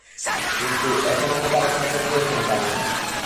কিন্তু এখন আমি তার একমাত্র প্রিয় সন্তান, মা।